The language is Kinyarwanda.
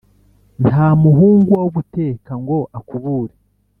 Nta muhungu wo guteka ngo akubure.